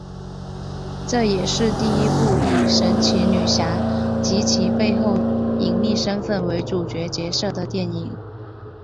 这也是第一部以神奇女侠及其背后隐秘身份为主要角色的电影。